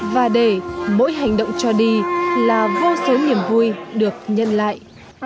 và để mỗi hành động cho đi là vô số niềm vui được nhân lại